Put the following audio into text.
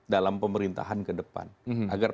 dalam pemerintahan ke depan agar